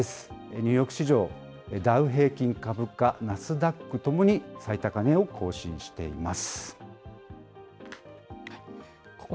ニューヨーク市場、ダウ平均株価、ナスダックともに最高値を更新しています。